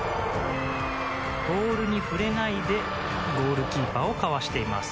ボールに触れないでゴールキーパーをかわしています。